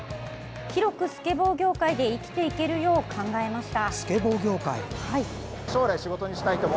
広くスケボー業界で生きていけるよう考えました。